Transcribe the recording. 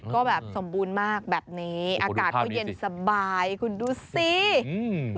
ก็แบบสมบูรณ์มากแบบนี้อากาศก็เย็นสบายคุณดูสิอืม